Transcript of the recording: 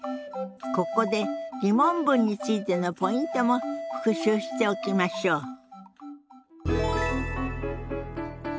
ここで疑問文についてのポイントも復習しておきましょう。